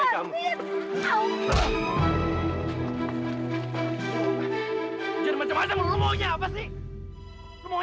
iya sih nek cuman ini aja nek